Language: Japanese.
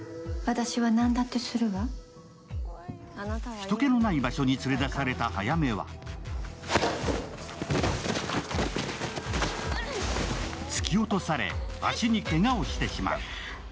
人けのない場所に連れ出された早梅は突き落とされ足にけがをしてしまう。